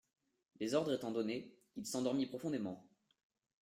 Les ordres étant donnés, il s'endormit profondément.